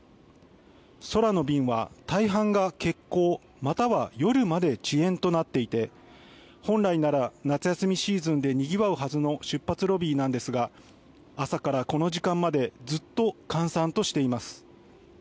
空の便は大半が欠航または夜まで遅延となっていて本来なら夏休みシーズンでにぎわうはずの出発ロビーなんですが朝から、この時間までずっと閑散としています。